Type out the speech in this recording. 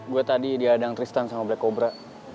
gue tadi di adang tristan sama black cobra